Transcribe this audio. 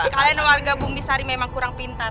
kalian warga bumi sari memang kurang pintar